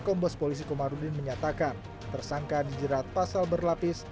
kombes polisi komarudin menyatakan tersangka dijerat pasal berlapis